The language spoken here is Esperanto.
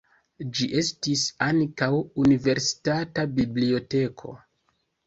Ĝi estis ankaŭ universitata biblioteko.